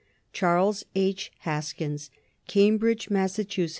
CHARLES H. HASKINS. CAMBRIDGE, MASS.